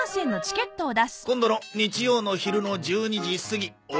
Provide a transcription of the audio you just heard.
今度の日曜の昼の１２時過ぎ大宮発な。